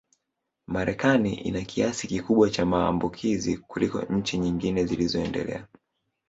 Marekani ina kiasi kikubwa cha maambukizi kuliko nchi nyingine zilizoendelea